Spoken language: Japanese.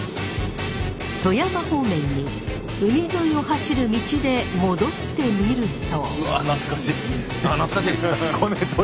富山方面に海沿いを走る道で戻ってみると。